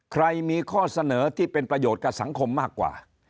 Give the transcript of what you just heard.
ใครมีข้อเสนอที่เป็นประโยชน์กับสังคมมากกว่า